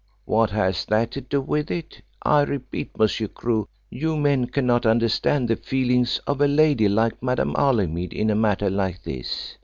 What has that to do with it? I repeat: Monsieur Crewe, you men cannot understand the feelings of a lady like Madame Holymead in a matter like this.